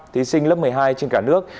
thí sinh lớp một mươi hai trên cả nước